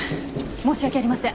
申し訳ありません。